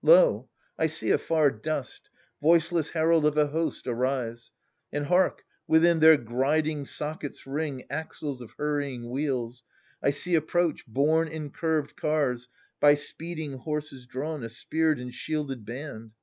Lo, I see afar Dust, voiceless herald of a host, arise \ And hark, within their griding sockets ring Axles of hurrying wheels ! I see approach, Borne in curved cars, by speeding horses drawn, A speared and shielded band.